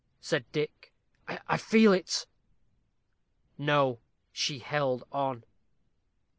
said Dick. "I feel it " No, she held on.